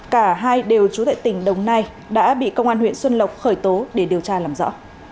cả hai đều trú tại tỉnh đồng nai đã bị công an huyện xuân lộc khởi tố để điều tra làm rõ